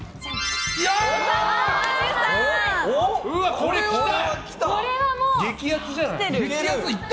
これは、きた！